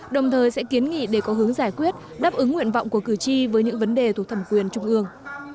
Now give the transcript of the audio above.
đồng thời sẽ kiến nghị để có hướng giải quyết đáp ứng nguyện vọng của cử tri với những vấn đề thuộc thẩm quyền trung ương